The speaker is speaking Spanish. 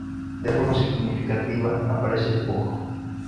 De forma significativa aparece el boj.